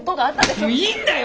もういいんだよ